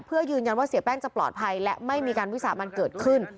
เพื่อยืนยันว่าเสียแป้งจะปลอดภัยและไม่มีการวิสามันเกิดขึ้น